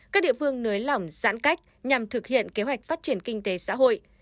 các địa phương nới lỏng giãn cách nhằm thực hiện kế hoạch phát triển kinh tế xã hội